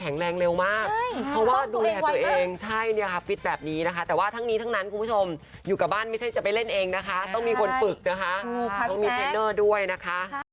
เองใช่เนี่ยค่ะฟิตแบบนี้นะคะแต่ว่าทั้งนี้ทั้งนั้นคุณผู้ชมอยู่กับบ้านไม่ใช่จะไปเล่นเองนะคะต้องมีคนปึกนะคะต้องมีด้วยนะคะ